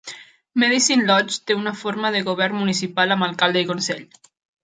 Medicine Lodge té una forma de govern municipal amb alcalde i consell.